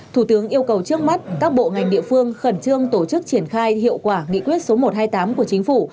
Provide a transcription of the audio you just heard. thủ tướng yêu cầu trước mắt các bộ ngành địa phương khẩn trương tổ chức triển khai hiệu quả nghị quyết số một trăm hai mươi tám của chính phủ